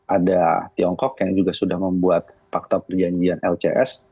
ada tiongkok yang juga sudah membuat fakta perjanjian lcs